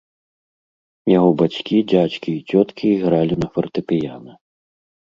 Яго бацькі, дзядзькі і цёткі ігралі на фартэпіяна.